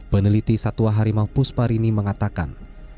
peneliti satwa harimau pusparini mengatakan